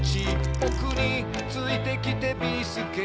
「ぼくについてきてビーすけ」